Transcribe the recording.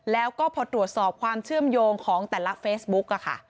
แล้วก็พอตรวจสอบความเชื่อมโยงของแต่ละเฟซบุ๊ก